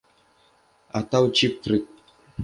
Atau Cheap Trick.